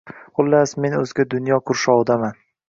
Xullas, men o’zga dunyo qurshovidaman.